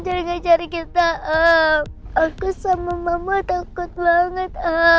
jangan kejar kita aku sama mama takut banget